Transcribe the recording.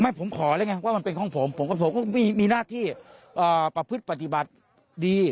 ไม่ผมขอเลยว่ามันเป็นของผมผมก็มีน่าที่ประพฤติปฏิบัติดี